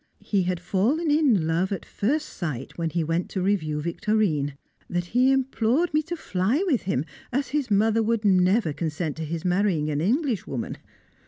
He had fallen in love at first sight, when he went to review Victorine that he implored me to fly with him, as his mother would never consent to his marrying an English woman!